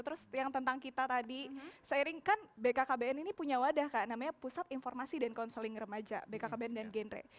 terus yang tentang kita tadi seiring kan bkkbn ini punya wadah kak namanya pusat informasi dan konseling remaja bkkbn dan genre